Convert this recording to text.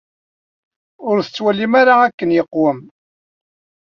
Ur tettwalim ara akken iqwem.